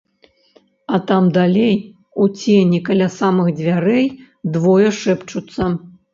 А там далей у цені каля самых дзвярэй двое шэпчуцца.